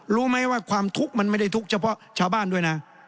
รู้ไหมว่าความทุกข์มันไม่ได้ทุกข์เฉพาะชาวบ้านด้วยนะ